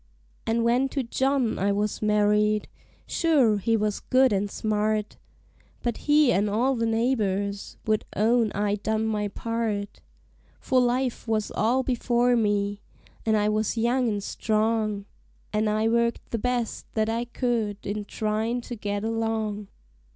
And when to John I was married, sure he was good and smart, But he and all the neighbors would own I done my part; For life was all before me, an' I was young an' strong, And I worked the best that I could in tryin' to get along.